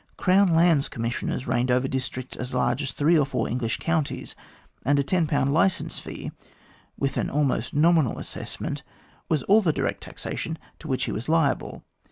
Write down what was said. Crown Lands Commissioners reigned over districts as large as three or four English counties, and a 10 license fee, with an almost nominal assessment, was all the direct taxation to which he was liable.